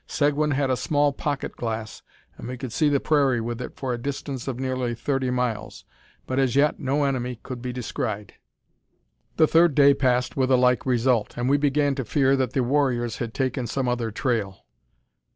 Seguin had a small pocket glass, and we could see the prairie with it for a distance of nearly thirty miles; but as yet no enemy could be descried. The third day passed with a like result; and we began to fear that the warriors had taken some other trail.